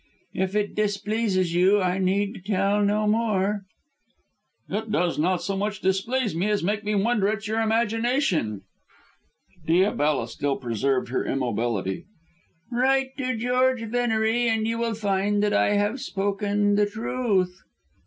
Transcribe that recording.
"If it displeases you I need tell no more." "It does not so much displease me as make me wonder at your imagination." Diabella still preserved her immobility. "Write to George Venery and you will find that I have spoken the truth."